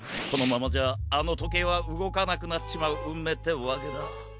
このままじゃあのとけいはうごかなくなっちまううんめいってわけだ。